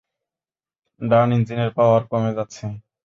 ডান ইঞ্জিনের পাওয়ার কমে যাচ্ছে!